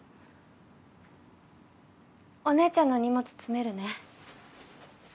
お姉ちゃんの荷物詰めるね。